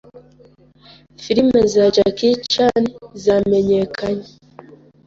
Film za Jackie Chan zamenyekanye